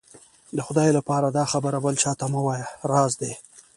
د خدای لهپاره دا خبره بل چا ته مه وايه، راز دی.